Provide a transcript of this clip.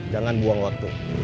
jangan buang waktu